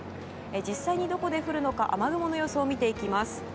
実際どこで降るか雨雲の様子を見ていきます。